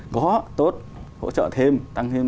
có tốt hỗ trợ thêm tăng thêm